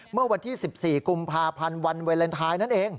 เมื่อวันที่๑๔กุมภาพันธ์วันวาเลนไทยนั่นเอง